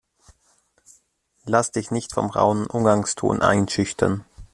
Lass dich nicht vom rauen Umgangston einschüchtern!